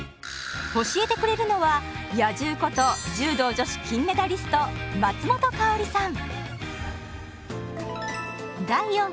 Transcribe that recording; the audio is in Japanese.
教えてくれるのは「野獣」こと柔道女子金メダリスト松本薫さん。